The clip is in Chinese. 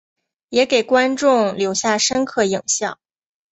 也给观众留下深刻影象。